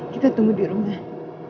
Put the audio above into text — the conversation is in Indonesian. kita tunggu di rumah